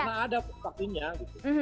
karena ada vaksinnya gitu